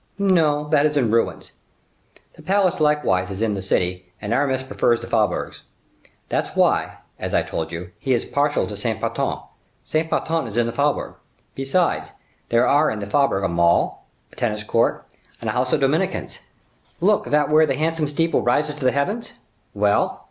"No; that is in ruins. The palace likewise is in the city, and Aramis prefers the faubourgs. That is why, as I told you, he is partial to Saint Patern; Saint Patern is in the faubourg. Besides, there are in this faubourg a mall, a tennis court, and a house of Dominicans. Look, that where the handsome steeple rises to the heavens." "Well?"